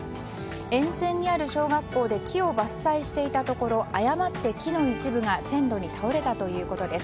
沿線にある小学校で木を伐採していたところ誤って木の一部が線路に倒れたということです。